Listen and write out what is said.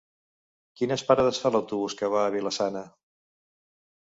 Quines parades fa l'autobús que va a Vila-sana?